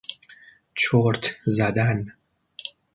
چرت زدن